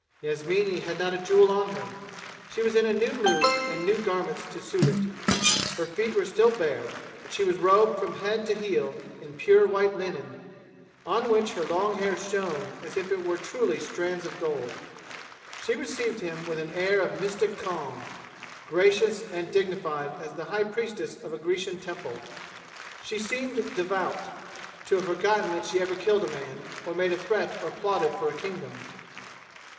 Yasmini had not a jewel on her. She was in a new mood and new garments to suit it. Her feet were still bare, but she was robed from head to heel in pure white linen, on which her long hair shone as if it were truly strands of gold. She received him with an air of mystic calm, gracious and dignified as the high priestess of a Grecian temple. She seemed devout to have forgotten that she ever killed a man, or made a threat or plotted for a kingdom.